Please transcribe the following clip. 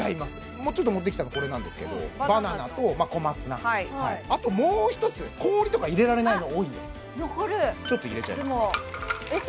ちょっと持ってきたのこれなんですけどバナナと小松菜あともう一つ氷とか入れられないの多いんですあっ残るいつもちょっと入れちゃいますねえっ